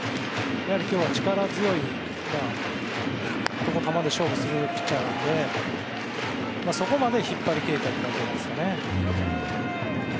やはり今日は力強いこの球で勝負するピッチャーなのでそこまで引っ張りきれていないですね。